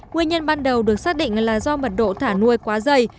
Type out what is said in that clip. nguyên nhân ban đầu được xác định là do mật độ thả nuôi quá dày